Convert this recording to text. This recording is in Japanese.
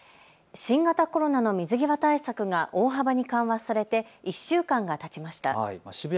新型コロナの水際対策が大幅に緩和されて１週間がたちました。